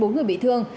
bốn người bị thương